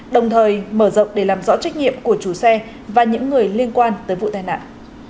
đồng thời mở rộng để làm rõ trách nhiệm của chủ xe và những người liên quan tới vụ tai nạn